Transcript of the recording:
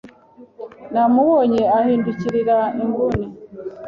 Namubonye ahindukirira inguni.